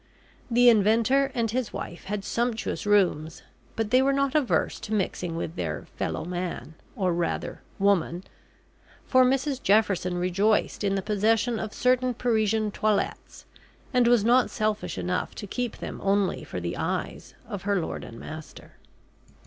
The Inventor and his wife had sumptuous rooms, but they were not averse to mixing with their "fellow man," or rather "woman," for Mrs Jefferson rejoiced in the possession of certain Parisian toilettes, and was not selfish enough to keep them only for the eyes of her lord and master.